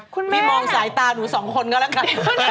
คุณแม่พี่มองสายตาหนูสองคนก็ละกัน